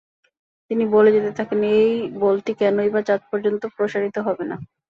তিনি বলে যেতে থাকেন, এই বলটি কেনইবা চাঁদ পর্যন্ত প্রসারিত হবেনা।